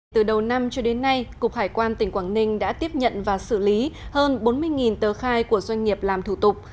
từ đầu năm cho đến nay cục hải quan tỉnh quảng ninh đã tiếp nhận và xử lý hơn bốn mươi tờ khai của doanh nghiệp làm thủ tục